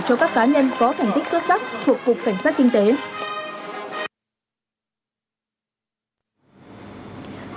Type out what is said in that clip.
cho các cá nhân có thành tích xuất sắc thuộc cục cảnh sát kinh tế